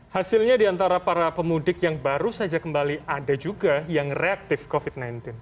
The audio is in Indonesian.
hasilnya diantara para pemudik yang baru saja kembali ada juga yang reaktif covid sembilan belas